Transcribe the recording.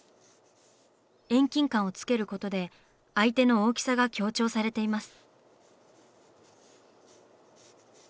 遠近感をつけることで相手の大きさが強調されています。